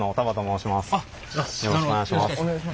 よろしくお願いします。